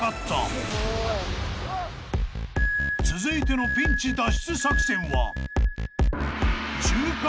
［続いてのピンチ脱出作戦は］